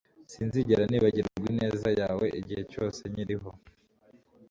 Sinzigera nibagirwa ineza yawe igihe cyose nkiriho.